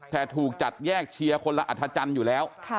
แต่ถูกจัดแยกเชียร์คนละอัธจันทร์อยู่แล้ว